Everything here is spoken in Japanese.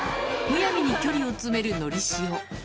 むやみに距離を詰めるのりしお。